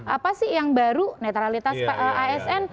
apa sih yang baru netralitas asn